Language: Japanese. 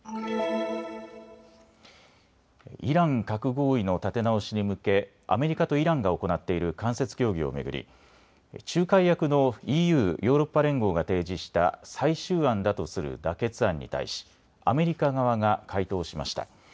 イラン核合意の立て直しに向けアメリカとイランが行っている間接協議を巡り仲介役のＥＵ・ヨーロッパ連合が提示した最終案だとする妥結案に対しアメリカ側が回答しました。